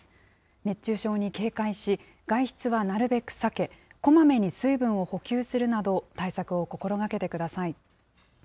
熱中症に警戒し、外出はなるべく避け、こまめに水分を補給するなど、対策を心がけてください。